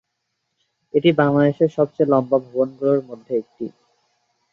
এটি বাংলাদেশের সবচেয়ে লম্বা ভবনগুলোর মধ্যে একটি।